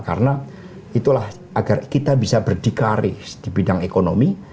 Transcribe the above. karena itulah agar kita bisa berdikari di bidang ekonomi